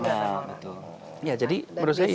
iya jadi menurut saya ini